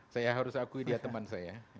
saya harus akui dia teman saya